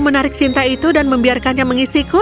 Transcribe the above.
menarik cinta itu dan membiarkannya mengisiku